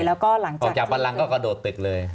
แล้วก็หลังจากบันลังค์ก็กระโดดตึกเลย